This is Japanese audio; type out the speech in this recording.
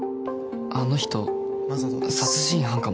あの人殺人犯かも。